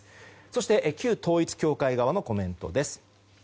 そして旧統一教会側のコメントです。